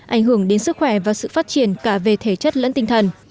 ảnh hưởng đến sức khỏe và sự phát triển cả về thể chất lẫn tinh thần